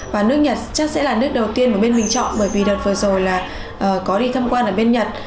và nước nhật chắc sẽ là nước đầu tiên mà bên bình chọn bởi vì đợt vừa rồi là có đi tham quan ở bên nhật